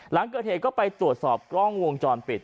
หลังเกิดเหตุก็ไปตรวจสอบกล้องวงจรปิด